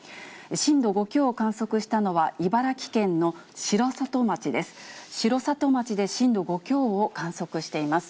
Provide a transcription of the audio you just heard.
震度５強を観測したのは茨城県の城里町です。